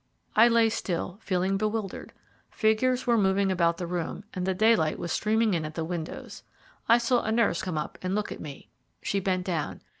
I lay still, feeling bewildered. Figures were moving about the room, and the daylight was streaming in at the windows. I saw a nurse come up and look at me. She bent down.